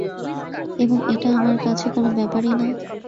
এবং এটা আমার কাছে কোনো ব্যাপারই না।